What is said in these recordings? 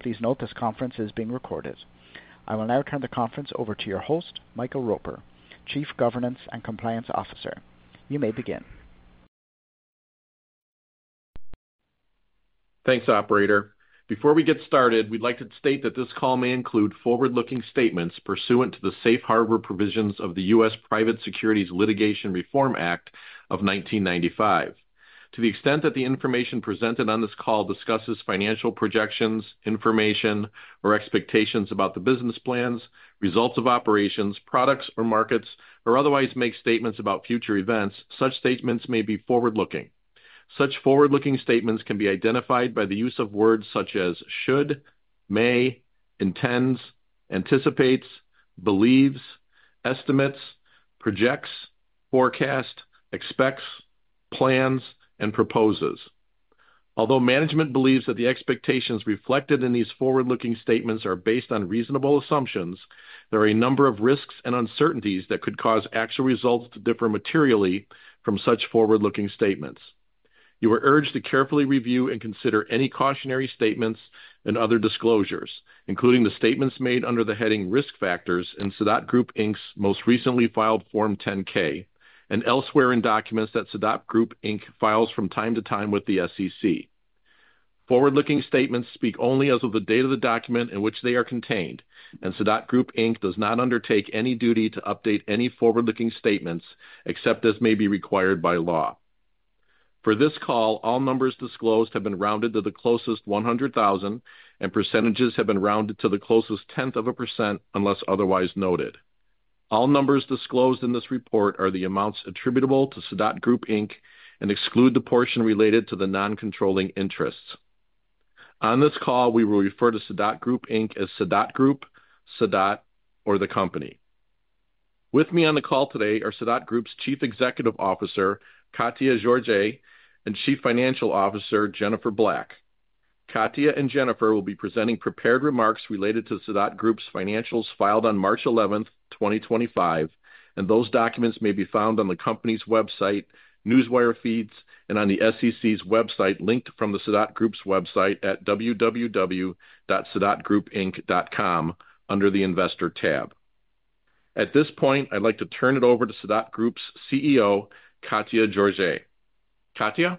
Please note this conference is being recorded. I will now turn the conference over to your host, Michael Roper, Chief Governance and Compliance Officer. You may begin. Thanks, Operator. Before we get started, we'd like to state that this call may include forward-looking statements pursuant to the Safe Harbor Provisions of the U.S. Private Securities Litigation Reform Act of 1995. To the extent that the information presented on this call discusses financial projections, information, or expectations about the business plans, results of operations, products, or markets, or otherwise makes statements about future events, such statements may be forward-looking. Such forward-looking statements can be identified by the use of words such as should, may, intends, anticipates, believes, estimates, projects, forecast, expects, plans, and proposes. Although management believes that the expectations reflected in these forward-looking statements are based on reasonable assumptions, there are a number of risks and uncertainties that could cause actual results to differ materially from such forward-looking statements. You are urged to carefully review and consider any cautionary statements and other disclosures, including the statements made under the heading Risk Factors in Sadot Group's most recently filed Form 10-K, and elsewhere in documents that Sadot Group files from time to time with the SEC. Forward-looking statements speak only as of the date of the document in which they are contained, and Sadot Group does not undertake any duty to update any forward-looking statements except as may be required by law. For this call, all numbers disclosed have been rounded to the closest 100,000, and percentages have been rounded to the closest tenth of a percent unless otherwise noted. All numbers disclosed in this report are the amounts attributable to Sadot Group and exclude the portion related to the non-controlling interests. On this call, we will refer to Sadot Group, as Sadot Group, Sadot, or the Company. With me on the call today are Sadot Group's Chief Executive Officer, Catia Jorge, and Chief Financial Officer, Jennifer Black. Catia and Jennifer will be presenting prepared remarks related to Sadot Group's financials filed on March 11, 2025, and those documents may be found on the company's website, newswire feeds, and on the SEC's website linked from the Sadot Group's website at www.sadotgroupinc.com under the Investor tab. At this point, I'd like to turn it over to Sadot Group's CEO, Catia Jorge. Catia?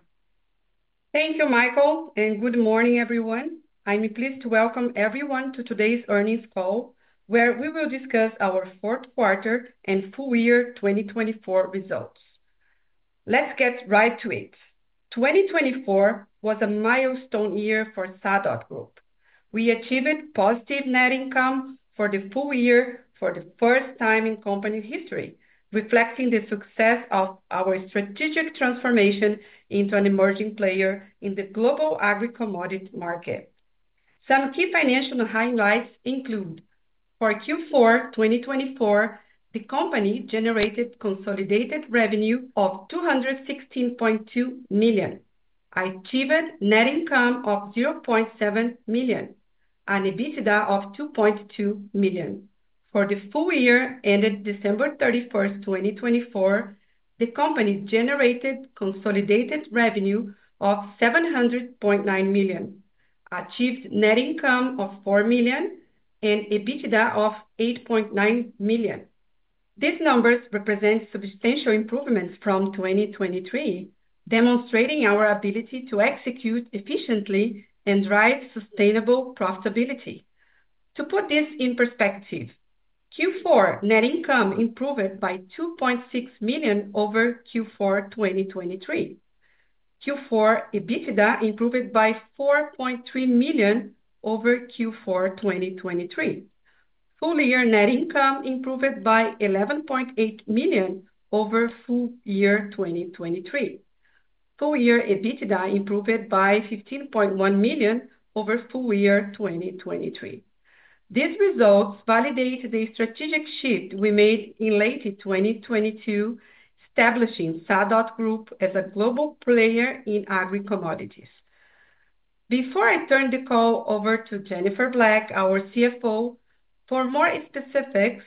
Thank you, Michael, and good morning, everyone. I'm pleased to welcome everyone to today's earnings call, where we will discuss our fourth quarter and full year 2024 results. Let's get right to it. 2024 was a milestone year for Sadot Group. We achieved positive net income for the full year for the first time in company history, reflecting the success of our strategic transformation into an emerging player in the global agri-commodity market. Some key financial highlights include: for Q4 2024, the company generated consolidated revenue of $216.2 million, achieved net income of $0.7 million, and EBITDA of $2.2 million. For the full year ended December 31, 2024, the company generated consolidated revenue of $700.9 million, achieved net income of $4 million, and EBITDA of $8.9 million. These numbers represent substantial improvements from 2023, demonstrating our ability to execute efficiently and drive sustainable profitability. To put this in perspective, Q4 net income improved by $2.6 million over Q4 2023. Q4 EBITDA improved by $4.3 million over Q4 2023. Full year net income improved by $11.8 million over full year 2023. Full year EBITDA improved by $15.1 million over full year 2023. These results validate the strategic shift we made in late 2022, establishing Sadot Group as a global player in agri-commodities. Before I turn the call over to Jennifer Black, our CFO, for more specifics,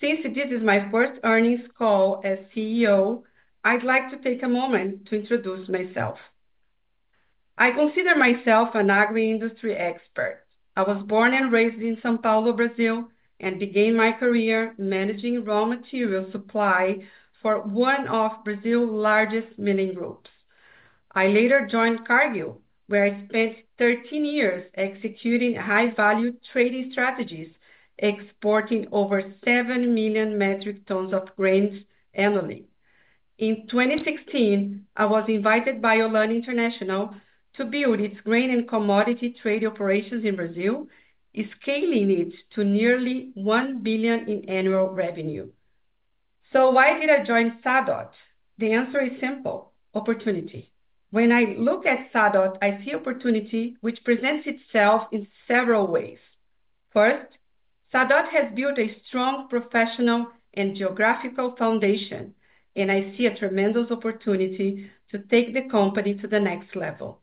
since this is my first earnings call as CEO, I'd like to take a moment to introduce myself. I consider myself an agri-industry expert. I was born and raised in São Paulo, Brazil, and began my career managing raw material supply for one of Brazil's largest milling groups. I later joined Cargill, where I spent 13 years executing high-value trading strategies, exporting over 7 million metric tons of grains annually. In 2016, I was invited by Olam International to build its grain and commodity trade operations in Brazil, scaling it to nearly $1 billion in annual revenue. Why did I join Sadot? The answer is simple: opportunity. When I look at Sadot, I see opportunity, which presents itself in several ways. First, Sadot has built a strong professional and geographical foundation, and I see a tremendous opportunity to take the company to the next level.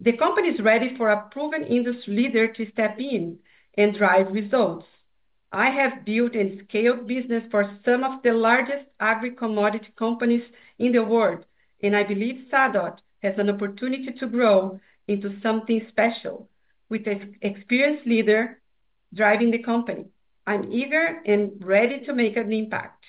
The company is ready for a proven industry leader to step in and drive results. I have built and scaled business for some of the largest agri-commodity companies in the world, and I believe Sadot has an opportunity to grow into something special with an experienced leader driving the company. I'm eager and ready to make an impact.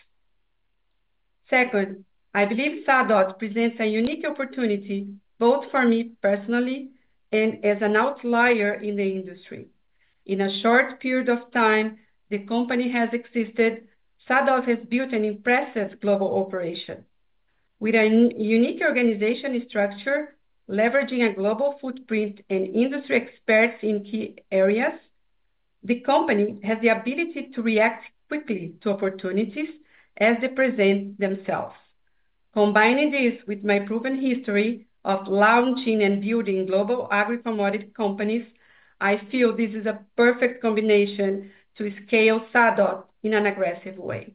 Second, I believe Sadot presents a unique opportunity both for me personally and as an outlier in the industry. In a short period of time, the company has existed, Sadot has built an impressive global operation. With a unique organizational structure, leveraging a global footprint and industry experts in key areas, the company has the ability to react quickly to opportunities as they present themselves. Combining this with my proven history of launching and building global agri-commodity companies, I feel this is a perfect combination to scale Sadot in an aggressive way.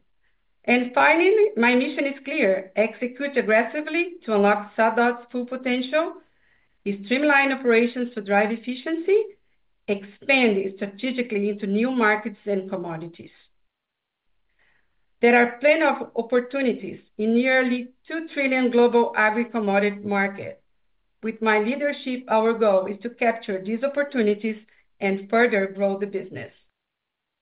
Finally, my mission is clear: execute aggressively to unlock Sadot's full potential, streamline operations to drive efficiency, and expand strategically into new markets and commodities. There are plenty of opportunities in nearly $2 trillion global agri-commodity market. With my leadership, our goal is to capture these opportunities and further grow the business.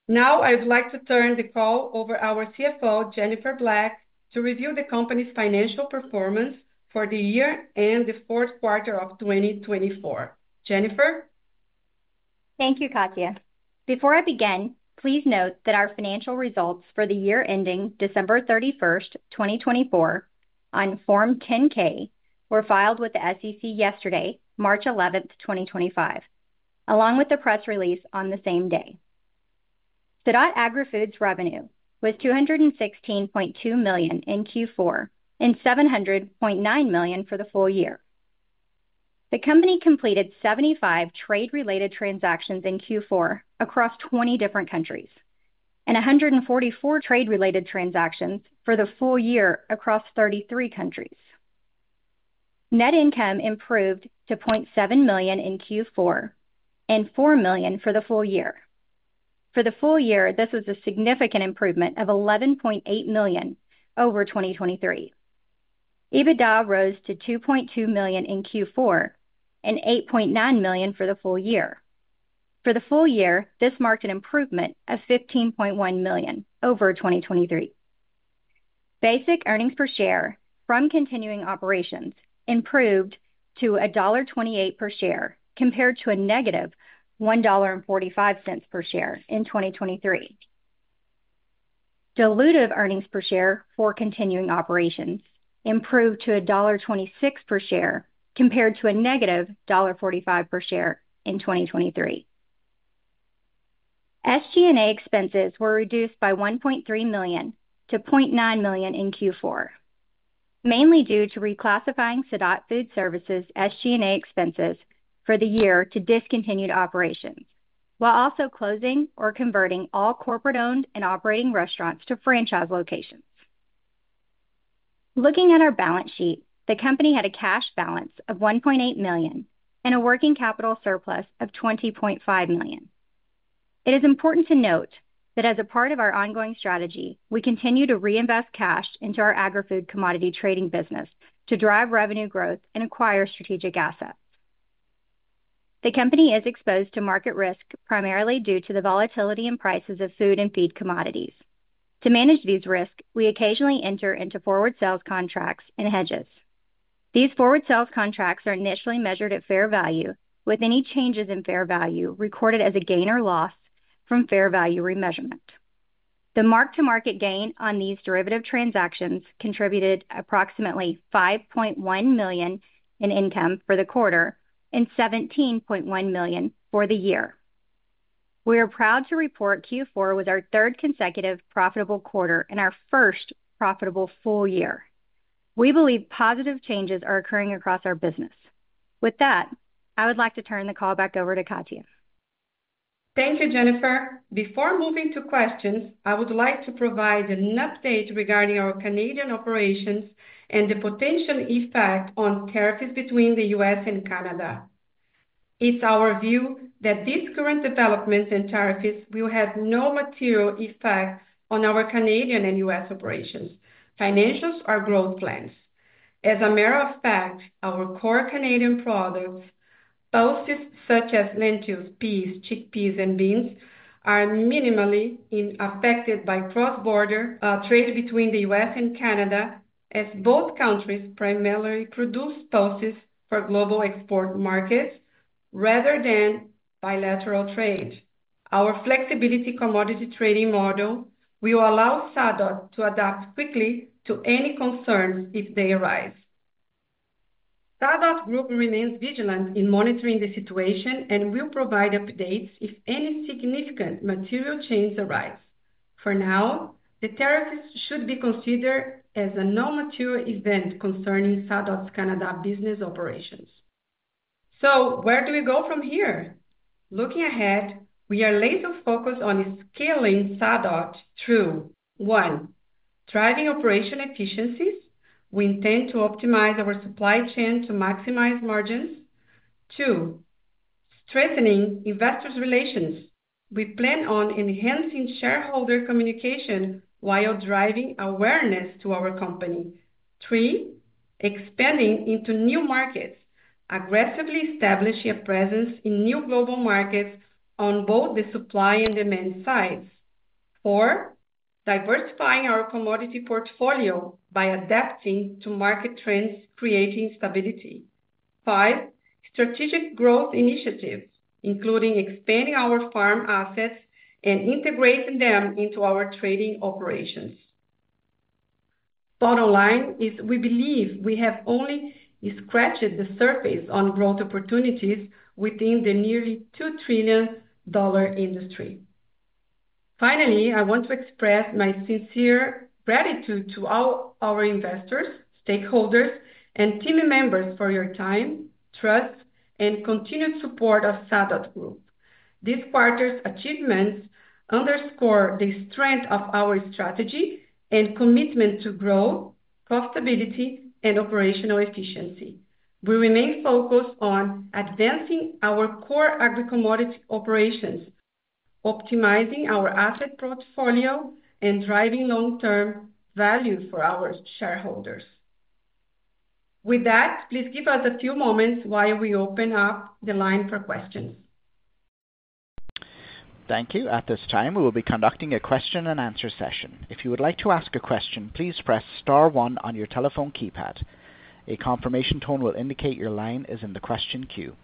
Now, I would like to turn the call over to our CFO, Jennifer Black, to review the company's financial performance for the year and the fourth quarter of 2024. Jennifer? Thank you, Catia. Before I begin, please note that our financial results for the year ending December 31, 2024, on Form 10-K were filed with the SEC yesterday, March 11, 2025, along with the press release on the same day. Sadot Group revenue was $216.2 million in Q4 and $700.9 million for the full year. The company completed 75 trade-related transactions in Q4 across 20 different countries and 144 trade-related transactions for the full year across 33 countries. Net income improved to $0.7 million in Q4 and $4 million for the full year. For the full year, this was a significant improvement of $11.8 million over 2023. EBITDA rose to $2.2 million in Q4 and $8.9 million for the full year. For the full year, this marked an improvement of $15.1 million over 2023. Basic earnings per share from continuing operations improved to $1.28 per share compared to a negative $1.45 per share in 2023. Dilutive earnings per share for continuing operations improved to $1.26 per share compared to a negative $1.45 per share in 2023. SG&A expenses were reduced by $1.3 million to $0.9 million in Q4, mainly due to reclassifying Sadot Food Service Operations' SG&A expenses for the year to discontinued operations, while also closing or converting all corporate-owned and operating restaurants to franchise locations. Looking at our balance sheet, the company had a cash balance of $1.8 million and a working capital surplus of $20.5 million. It is important to note that as a part of our ongoing strategy, we continue to reinvest cash into our agri-food commodity trading business to drive revenue growth and acquire strategic assets. The company is exposed to market risk primarily due to the volatility in prices of food and feed commodities. To manage these risks, we occasionally enter into forward sales contracts and hedges. These forward sales contracts are initially measured at fair value, with any changes in fair value recorded as a gain or loss from fair value remeasurement. The mark-to-market gain on these derivative transactions contributed approximately $5.1 million in income for the quarter and $17.1 million for the year. We are proud to report Q4 was our third consecutive profitable quarter and our first profitable full year. We believe positive changes are occurring across our business. With that, I would like to turn the call back over to Catia. Thank you, Jennifer. Before moving to questions, I would like to provide an update regarding our Canadian operations and the potential effect on tariffs between the U.S. and Canada. It's our view that these current developments and tariffs will have no material effect on our Canadian and U.S. operations, financials, or growth plans. As a matter of fact, our core Canadian products, pulses such as lentils, peas, chickpeas, and beans, are minimally affected by cross-border trade between the U.S. and Canada, as both countries primarily produce pulses for global export markets rather than bilateral trade. Our flexibility commodity trading model will allow Sadot to adapt quickly to any concerns if they arise. Sadot Group remains vigilant in monitoring the situation and will provide updates if any significant material change arises. For now, the tariffs should be considered as a non-material event concerning Sadot's Canada business operations. Where do we go from here? Looking ahead, we are laser-focused on scaling Sadot through: one, driving operational efficiencies. We intend to optimize our supply chain to maximize margins. Two, strengthening investor relations. We plan on enhancing shareholder communication while driving awareness to our company. Three, expanding into new markets, aggressively establishing a presence in new global markets on both the supply and demand sides. Four, diversifying our commodity portfolio by adapting to market trends, creating stability. Five, strategic growth initiatives, including expanding our farm assets and integrating them into our trading operations. Bottom line is we believe we have only scratched the surface on growth opportunities within the nearly $2 trillion industry. Finally, I want to express my sincere gratitude to all our investors, stakeholders, and team members for your time, trust, and continued support of Sadot Group. This quarter's achievements underscore the strength of our strategy and commitment to growth, profitability, and operational efficiency. We remain focused on advancing our core agri-commodity operations, optimizing our asset portfolio, and driving long-term value for our shareholders. With that, please give us a few moments while we open up the line for questions. Thank you. At this time, we will be conducting a question-and-answer session. If you would like to ask a question, please press star one on your telephone keypad. A confirmation tone will indicate your line is in the question queue.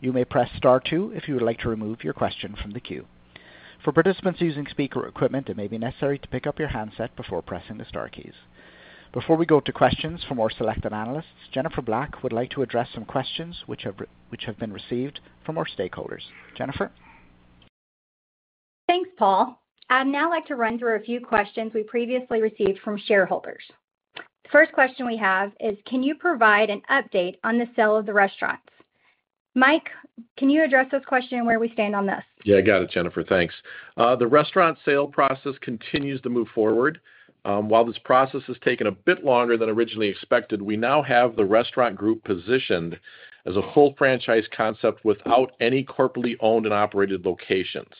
You may press star two if you would like to remove your question from the queue. For participants using speaker equipment, it may be necessary to pick up your handset before pressing the star keys. Before we go to questions from our selected analysts, Jennifer Black would like to address some questions which have been received from our stakeholders. Jennifer? Thanks, Paul. I'd now like to run through a few questions we previously received from shareholders. The first question we have is, can you provide an update on the sale of the restaurants? Mike, can you address this question and where we stand on this? Yeah, I got it, Jennifer. Thanks. The restaurant sale process continues to move forward. While this process has taken a bit longer than originally expected, we now have the restaurant group positioned as a full franchise concept without any corporately owned and operated locations.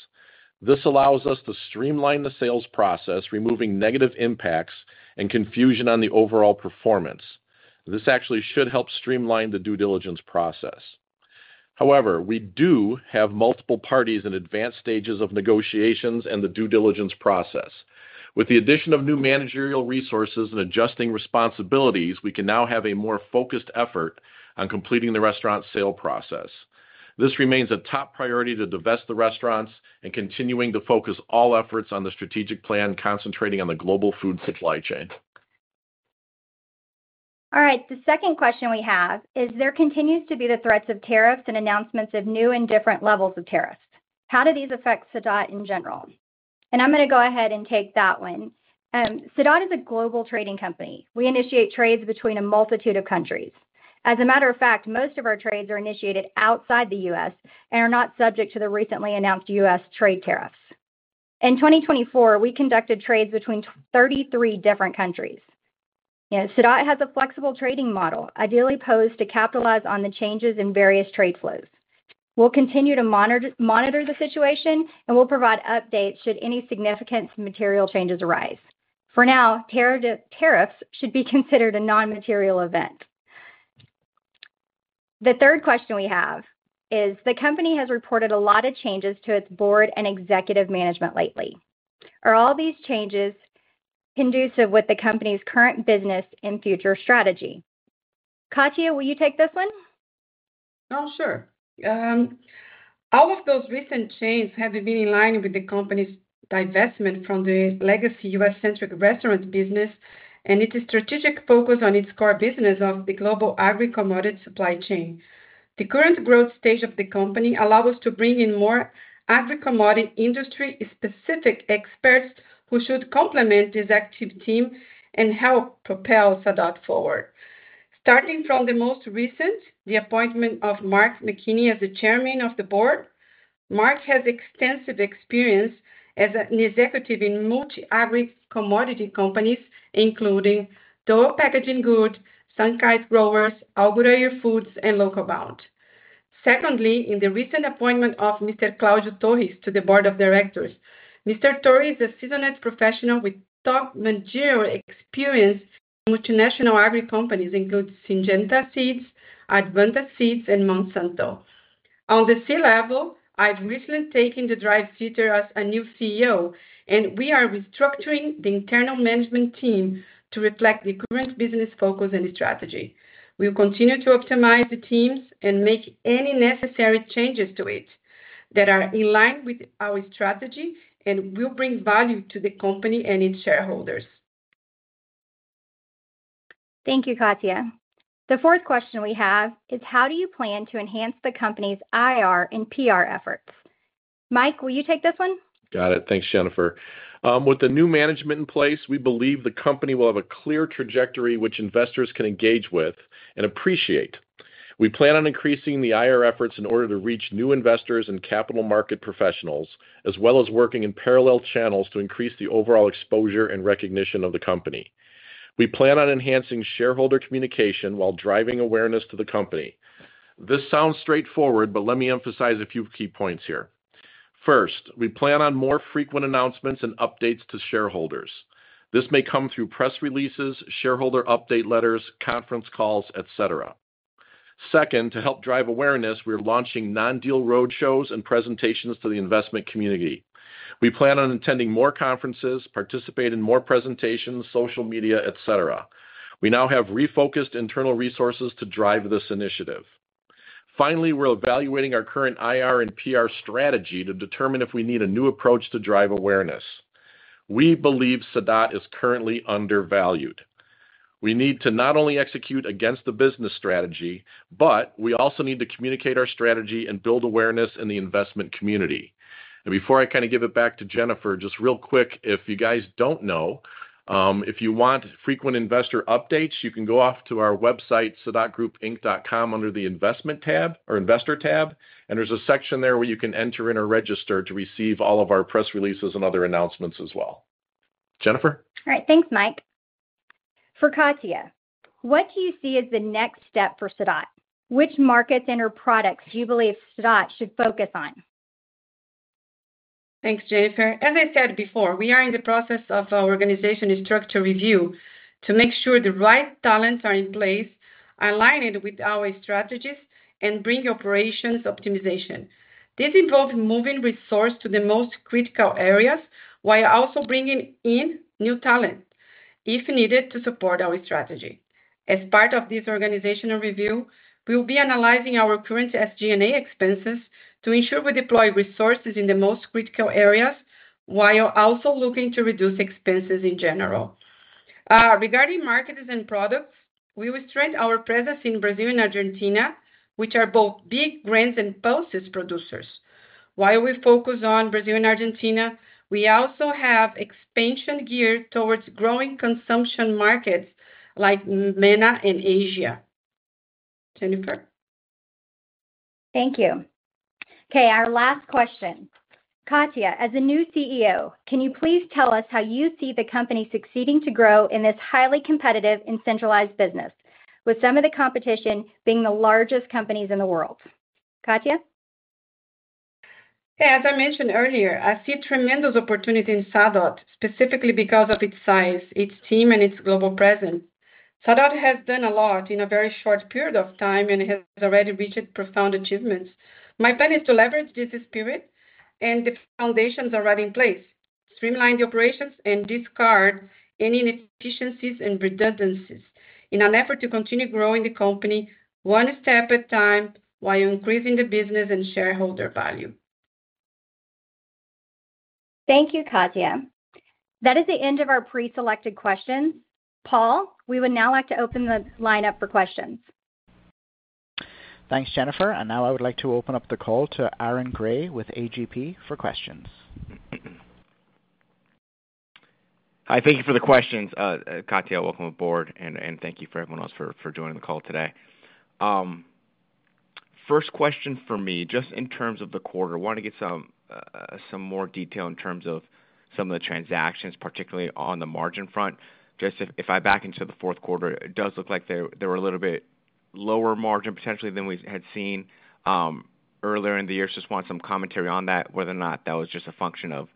This allows us to streamline the sales process, removing negative impacts and confusion on the overall performance. This actually should help streamline the due diligence process. However, we do have multiple parties in advanced stages of negotiations and the due diligence process. With the addition of new managerial resources and adjusting responsibilities, we can now have a more focused effort on completing the restaurant sale process. This remains a top priority to divest the restaurants and continuing to focus all efforts on the strategic plan concentrating on the global food supply chain. All right. The second question we have is, there continues to be the threats of tariffs and announcements of new and different levels of tariffs. How do these affect Sadot in general? I'm going to go ahead and take that one. Sadot is a global trading company. We initiate trades between a multitude of countries. As a matter of fact, most of our trades are initiated outside the U.S. and are not subject to the recently announced U.S. trade tariffs. In 2024, we conducted trades between 33 different countries. Sadot has a flexible trading model, ideally posed to capitalize on the changes in various trade flows. We'll continue to monitor the situation, and we'll provide updates should any significant material changes arise. For now, tariffs should be considered a non-material event. The third question we have is, the company has reported a lot of changes to its board and executive management lately. Are all these changes conducive with the company's current business and future strategy? Catia, will you take this one? Oh, sure. All of those recent changes have been in line with the company's divestment from the legacy U.S.-centric restaurant business, and its strategic focus on its core business of the global agri-commodity supply chain. The current growth stage of the company allows us to bring in more agri-commodity industry-specific experts who should complement this active team and help propel Sadot forward. Starting from the most recent, the appointment of Mark McKinney as the Chairman of the Board, Mark has extensive experience as an executive in multi-agri commodity companies, including Dole Packaged Goods, Sunkist Growers, Al Ghurair Foods, and Locobound. Secondly, in the recent appointment of Mr. Claudio Torres to the Board of Directors, Mr. Torres is a seasoned professional with top material experience in multinational agri companies including Syngenta Seeds, Advanta Seeds, and Monsanto. On the C-level, I've recently taken the driver seat as a new CEO, and we are restructuring the internal management team to reflect the current business focus and strategy. We'll continue to optimize the teams and make any necessary changes to it that are in line with our strategy and will bring value to the company and its shareholders. Thank you, Catia. The fourth question we have is, how do you plan to enhance the company's IR and PR efforts? Mike, will you take this one? Got it. Thanks, Jennifer. With the new management in place, we believe the company will have a clear trajectory which investors can engage with and appreciate. We plan on increasing the IR efforts in order to reach new investors and capital market professionals, as well as working in parallel channels to increase the overall exposure and recognition of the company. We plan on enhancing shareholder communication while driving awareness to the company. This sounds straightforward, but let me emphasize a few key points here. First, we plan on more frequent announcements and updates to shareholders. This may come through press releases, shareholder update letters, conference calls, etc. Second, to help drive awareness, we're launching non-deal roadshows and presentations to the investment community. We plan on attending more conferences, participate in more presentations, social media, etc. We now have refocused internal resources to drive this initiative. Finally, we're evaluating our current IR and PR strategy to determine if we need a new approach to drive awareness. We believe Sadot is currently undervalued. We need to not only execute against the business strategy, but we also need to communicate our strategy and build awareness in the investment community. Before I kind of give it back to Jennifer, just real quick, if you guys do not know, if you want frequent investor updates, you can go off to our website, sadotgroupinc.com, under the Investment tab or Investor tab, and there is a section there where you can enter in or register to receive all of our press releases and other announcements as well. Jennifer? All right. Thanks, Mike. For Catia, what do you see as the next step for Sadot? Which markets and/or products do you believe Sadot should focus on? Thanks, Jennifer. As I said before, we are in the process of our organization structure review to make sure the right talents are in place, aligned with our strategies, and bring operations optimization. This involves moving resources to the most critical areas while also bringing in new talent, if needed, to support our strategy. As part of this organizational review, we'll be analyzing our current SG&A expenses to ensure we deploy resources in the most critical areas while also looking to reduce expenses in general. Regarding markets and products, we will strengthen our presence in Brazil and Argentina, which are both big grains and pulses producers. While we focus on Brazil and Argentina, we also have expansion gear towards growing consumption markets like MENA and Asia. Jennifer? Thank you. Okay, our last question. Catia, as a new CEO, can you please tell us how you see the company succeeding to grow in this highly competitive and centralized business, with some of the competition being the largest companies in the world? Catia? Yeah, as I mentioned earlier, I see tremendous opportunity in Sadot, specifically because of its size, its team, and its global presence. Sadot has done a lot in a very short period of time and has already reached profound achievements. My plan is to leverage this spirit and the foundations already in place, streamline the operations, and discard any inefficiencies and redundancies in an effort to continue growing the company one step at a time while increasing the business and shareholder value. Thank you, Catia. That is the end of our pre-selected questions. Paul, we would now like to open the line up for questions. Thanks, Jennifer. I would like to open up the call to Aaron Gray with AGP for questions. Hi, thank you for the questions. Catia, welcome aboard, and thank you for everyone else for joining the call today. First question for me, just in terms of the quarter, I want to get some more detail in terms of some of the transactions, particularly on the margin front. Just if I back into the fourth quarter, it does look like there were a little bit lower margin potentially than we had seen earlier in the year. Just want some commentary on that, whether or not that was just a function of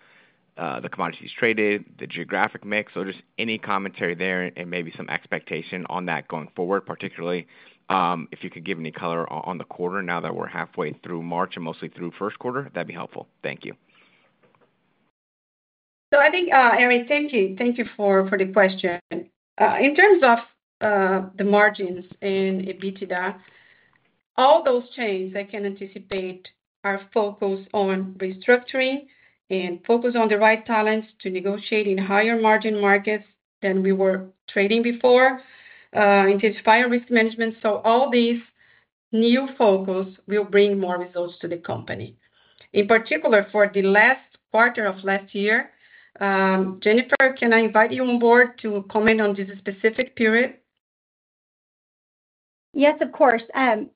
the commodities traded, the geographic mix, or just any commentary there and maybe some expectation on that going forward, particularly if you could give any color on the quarter now that we're halfway through March and mostly through first quarter, that'd be helpful. Thank you. I think, Aaron, thank you. Thank you for the question. In terms of the margins and EBITDA, all those chains I can anticipate are focused on restructuring and focus on the right talents to negotiate in higher margin markets than we were trading before, intensifying risk management. All these new focuses will bring more results to the company. In particular, for the last quarter of last year, Jennifer, can I invite you on board to comment on this specific period? Yes, of course. I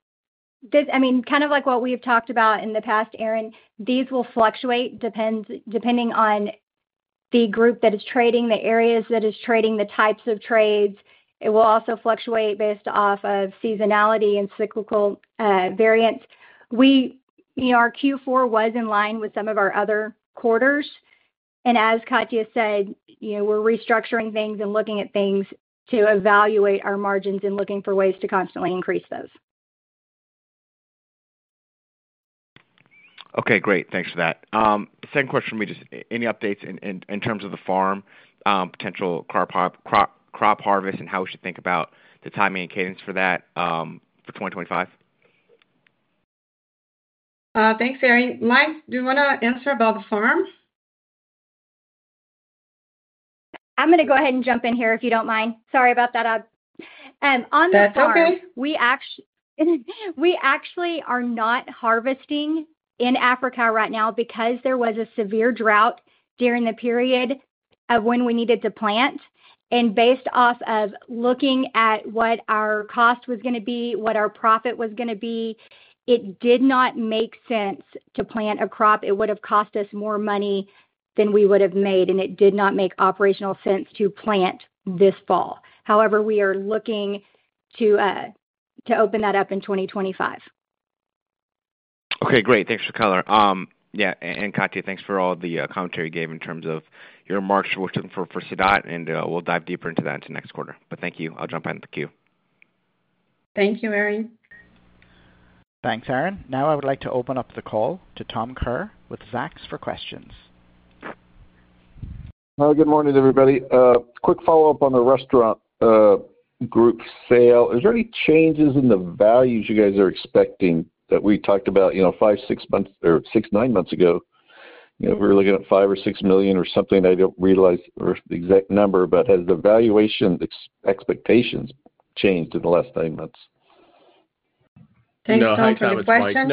mean, kind of like what we've talked about in the past, Aaron, these will fluctuate depending on the group that is trading, the areas that are trading, the types of trades. It will also fluctuate based off of seasonality and cyclical variants. Our Q4 was in line with some of our other quarters. As Catia said, we're restructuring things and looking at things to evaluate our margins and looking for ways to constantly increase those. Okay, great. Thanks for that. Second question for me, just any updates in terms of the farm, potential crop harvest, and how we should think about the timing and cadence for that for 2025? Thanks, Aaron. Mike, do you want to answer about the farm? I'm going to go ahead and jump in here if you don't mind. Sorry about that. On the farm, we actually are not harvesting in Africa right now because there was a severe drought during the period of when we needed to plant. Based off of looking at what our cost was going to be, what our profit was going to be, it did not make sense to plant a crop. It would have cost us more money than we would have made, and it did not make operational sense to plant this fall. However, we are looking to open that up in 2025. Okay, great. Thanks for the color. Yeah, and Catia, thanks for all the commentary you gave in terms of your remarks for Sadot, and we will dive deeper into that in the next quarter. Thank you. I will jump in. Thank you. Thank you, Aaron. Thanks, Aaron. Now I would like to open up the call to Tom Kerr with Zacks for questions. Hi, good morning, everybody. Quick follow-up on the restaurant group sale. Is there any changes in the values you guys are expecting that we talked about five, six months or six, nine months ago? We were looking at five or six million or something. I don't realize the exact number, but has the valuation expectations changed in the last nine months? Thanks, Mike. I'll have the question.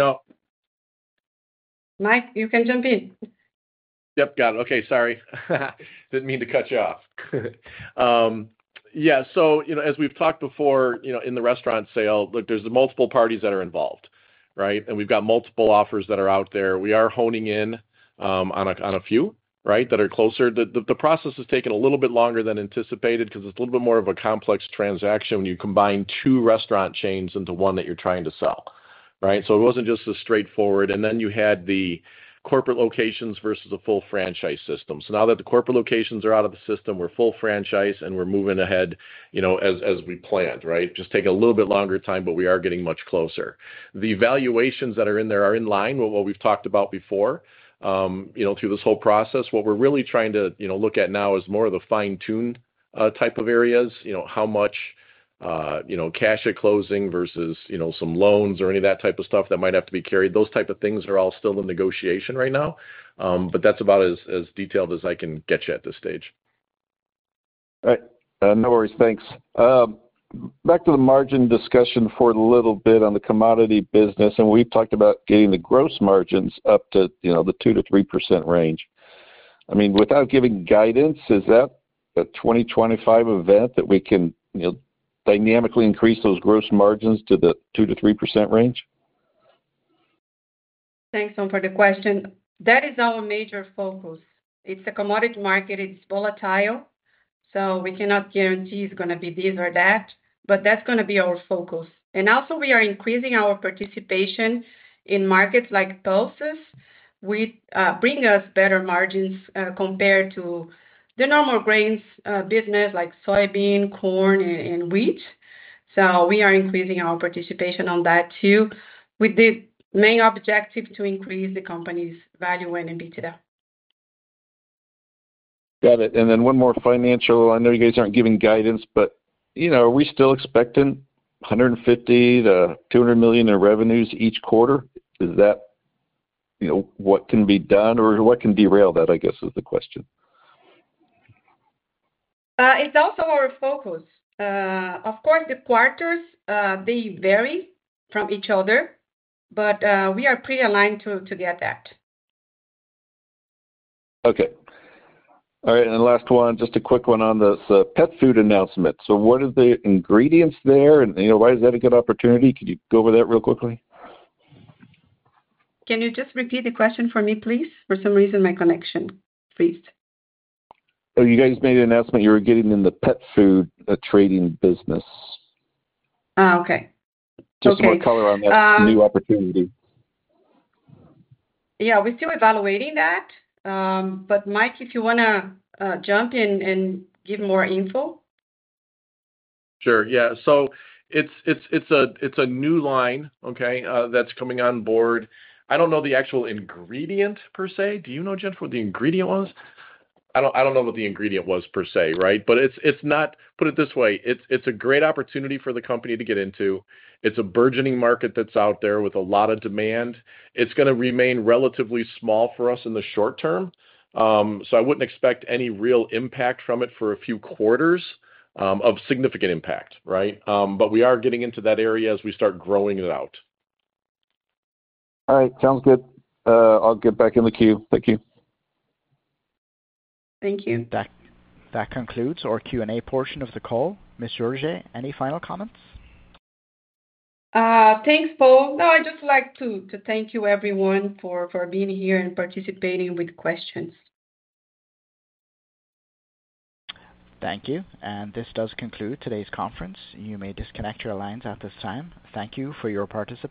Mike, you can jump in. Yep, got it. Okay, sorry. Didn't mean to cut you off. Yeah, as we've talked before in the restaurant sale, there's multiple parties that are involved, right? And we've got multiple offers that are out there. We are honing in on a few, right, that are closer. The process has taken a little bit longer than anticipated because it's a little bit more of a complex transaction when you combine two restaurant chains into one that you're trying to sell, right? It wasn't just as straightforward. You had the corporate locations versus the full franchise system. Now that the corporate locations are out of the system, we're full franchise, and we're moving ahead as we planned, right? Just taking a little bit longer time, but we are getting much closer. The valuations that are in there are in line with what we've talked about before through this whole process. What we're really trying to look at now is more of the fine-tuned type of areas, how much cash at closing versus some loans or any of that type of stuff that might have to be carried. Those type of things are all still in negotiation right now, but that's about as detailed as I can get you at this stage. All right. No worries. Thanks. Back to the margin discussion for a little bit on the commodity business, and we've talked about getting the gross margins up to the 2-3% range. I mean, without giving guidance, is that a 2025 event that we can dynamically increase those gross margins to the 2-3% range? Thanks all for the question. That is our major focus. It's a commodity market. It's volatile, so we cannot guarantee it's going to be this or that, but that's going to be our focus. Also, we are increasing our participation in markets like pulses, which bring us better margins compared to the normal grains business like soybean, corn, and wheat. We are increasing our participation on that too with the main objective to increase the company's value and EBITDA. Got it. One more financial. I know you guys aren't giving guidance, but are we still expecting $150 million-$200 million in revenues each quarter? Is that what can be done, or what can derail that, I guess, is the question? It's also our focus. Of course, the quarters, they vary from each other, but we are pretty aligned to get that. Okay. All right. Last one, just a quick one on the pet food announcement. What are the ingredients there, and why is that a good opportunity? Can you go over that real quickly? Can you just repeat the question for me, please? For some reason, my connection froze. Oh, you guys made an announcement you were getting in the pet food trading business. Oh, okay. Just want to color on that new opportunity. Yeah, we're still evaluating that, but Mike, if you want to jump in and give more info. Sure. Yeah. It is a new line, okay, that is coming on board. I do not know the actual ingredient per se. Do you know, Jennifer, what the ingredient was? I do not know what the ingredient was per se, right? It is not—put it this way—it is a great opportunity for the company to get into. It is a burgeoning market that is out there with a lot of demand. It is going to remain relatively small for us in the short term, so I would not expect any real impact from it for a few quarters of significant impact, right? We are getting into that area as we start growing it out. All right. Sounds good. I'll get back in the queue. Thank you. Thank you. That concludes our Q&A portion of the call. Ms. Jorge, any final comments? Thanks, Paul. No, I just like to thank you, everyone, for being here and participating with questions. Thank you. This does conclude today's conference. You may disconnect your lines at this time. Thank you for your participation.